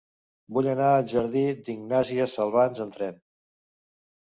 Vull anar al jardí d'Ignàsia Salvans amb tren.